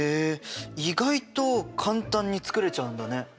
意外と簡単に作れちゃうんだね。